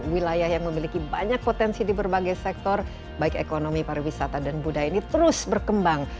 wilayah yang memiliki banyak potensi di berbagai sektor baik ekonomi pariwisata dan budaya ini terus berkembang